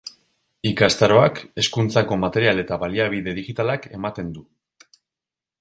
Ikastaroak hezkuntzako material eta baliabide digitalak ematen du.